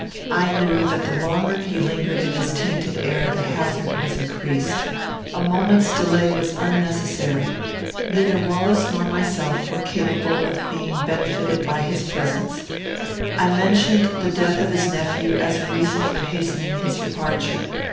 I knew that the longer he lingered in this tainted air, the hazard was increased. A moment's delay was unnecessary. Neither Wallace nor myself were capable of being benefited by his presence. I mentioned the death of his nephew as a reason for hastening his departure.